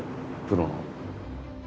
プロの。